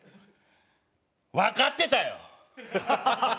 わかってたよ！